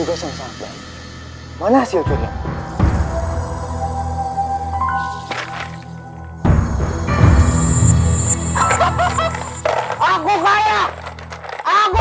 kau yang akan aku jadikan bumbel